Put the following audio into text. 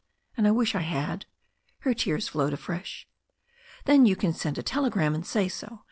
And I wish I had." Her tears flowed afresh. "Then you can send a telegram and say so."